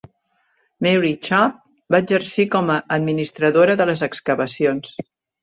Mary Chubb va exercir com a administradora de les excavacions.